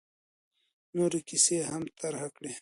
نورې کیسې یې هم طرحه کړې.